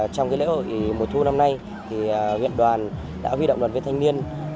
trong lễ hội mùa thu năm nay huyện đoàn đã huy động đoàn viên thanh niên